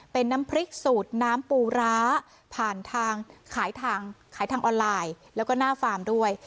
เป็นน้ำพริกสูตรน้ำปูร้าผ่านทางขายทางขายทางออนไลน์แล้วก็หน้าฟาร์มด้วย